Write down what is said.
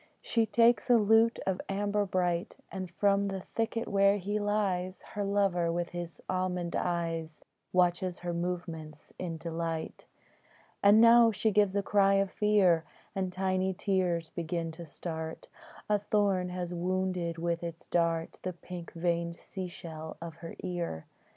She takes a lute of amber bright, And from the thicket where he lies Her lover, with his almond eyes, Watches her movements in delight. And now she gives a cry of fear, And tiny tears begin to start: A thorn has wounded with its dart The pink veined sea shell of her ear.